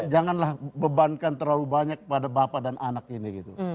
janganlah bebankan terlalu banyak pada bapak dan anak ini gitu